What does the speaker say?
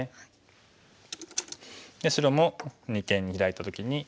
白も二間にヒラいた時に。